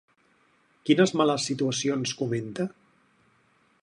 Quines males situacions comenta?